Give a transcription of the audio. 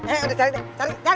eh udah cari deh